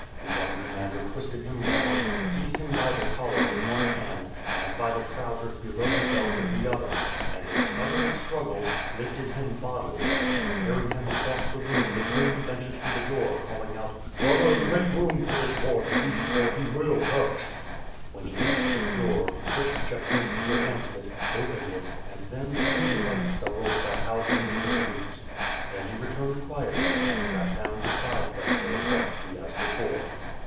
The young commander twisted him round, seized him by the collar with one hand, and by the trousers below^ the belt with the other, an J in spite of his struggles, lifted him bodily, and carried him across the room between the benches to the door, calling out: "Brothers, make room for this horned beast, for he will hurt." When he reached the door, he pushed Chaplinski against it, opened it, and then threw the vice starosta out into the street. Then he returned quietly and sat down beside Zatsvilik hovski as before.